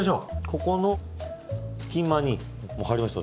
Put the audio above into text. ここの隙間に入りましたよ